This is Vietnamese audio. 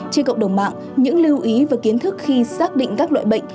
trên cộng đồng mạng những lưu ý và kiến thức khi xác định các loại bệnh